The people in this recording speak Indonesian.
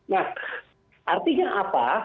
nah artinya apa